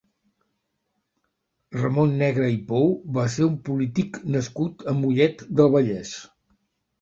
Ramon Negre i Pou va ser un polític nascut a Mollet del Vallès.